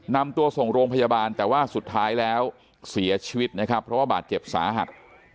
นำตัวส่งโรงพยาบาลแต่ว่าสุดท้ายแล้วเสียชีวิตนะครับเพราะว่าบาดเจ็บสาหัส